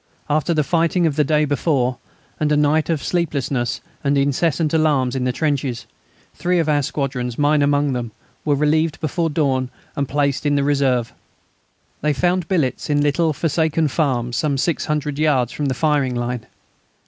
After the fighting of the day before, and a night of sleeplessness and incessant alarms in the trenches, three of our squadrons, mine among them, were relieved before dawn and placed in reserve. They found billets in little forsaken farms some 600 yards from the firing line.